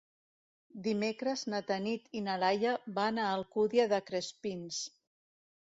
Dimecres na Tanit i na Laia van a l'Alcúdia de Crespins.